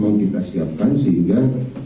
yang kita siapkan sehingga